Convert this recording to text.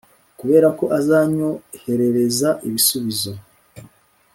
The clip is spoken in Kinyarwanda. kuberako azanyoherereza ibisubizo,